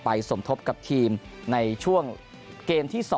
สมทบกับทีมในช่วงเกมที่๒